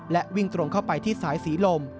และวิ่งตรงเข้าไปที่สายศรีลม